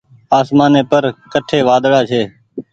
آسمآني پر ڪٺي وآۮڙآ ڇي۔